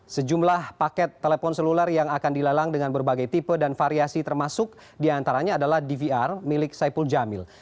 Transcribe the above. sejumlah paket telepon seluler yang akan dilelang dengan berbagai tipe dan variasi termasuk diantaranya adalah dvr milik saipul jamil